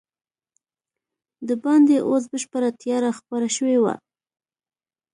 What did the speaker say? دباندې اوس بشپړه تیاره خپره شوې وه.